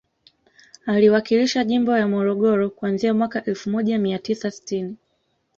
Aliwakilisha jimbo ya Morogoro kuanzia mwaka elfu moja mia tisa sitini